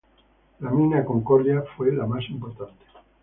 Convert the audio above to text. La Mina Concordia fue la más importante.